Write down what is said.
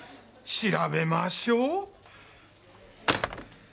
調べましょう！